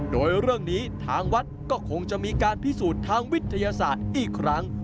โดยเรื่องนี้ทางวัดก็คงจะมีการพิสูจน์ทางวิทยาศาสตร์อีกครั้ง